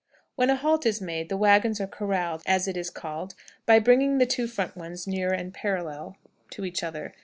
When a halt is made the wagons are "corraled," as it is called, by bringing the two front ones near and parallel to each other.